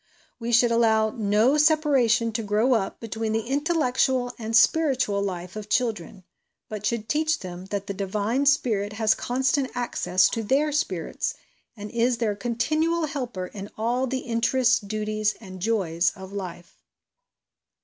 We should allow no separation to grow up between the intellectual and ' spiritual ' life of chil dren ; but should teach them that the divine Spirit has constant access to their spirits, and is their con tinual helper in all the interests, duties and joys of life.